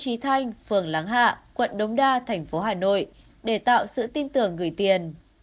trí thanh phường láng hạ quận đống đa thành phố hà nội để tạo sự tin tưởng gửi tiền